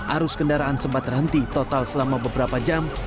arus kendaraan sempat terhenti total selama beberapa jam